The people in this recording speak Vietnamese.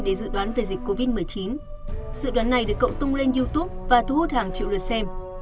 để dự đoán về dịch covid một mươi chín dự đoán này được cậu tung lên youtube và thu hút hàng triệu lượt xem